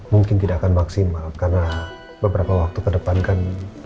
mungkin tidak akan maksimal karena beberapa waktu ke depan kan